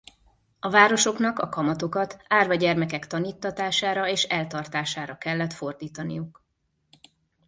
A városoknak a kamatokat árva gyermekek taníttatására és eltartására kellett fordítaniuk.